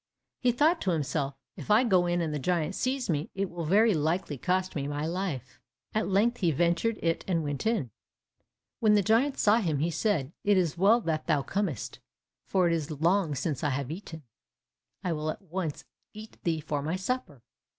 He thought to himself, "If I go in, and the giant sees me, it will very likely cost me my life." At length he ventured it and went in. When the giant saw him, he said, "It is well that thou comest, for it is long since I have eaten; I will at once eat thee for my supper."